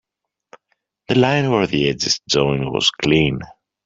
The line where the edges join was clean.